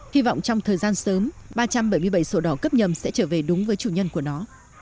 hy vọng trong thời gian sớm ba trăm bảy mươi bảy sổ đỏ cấp nhầm sẽ trở về đúng với chủ nhân của nó